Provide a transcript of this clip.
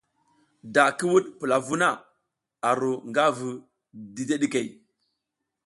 Da ki wuɗ pula vuh na, a ru nga vu dideɗikey.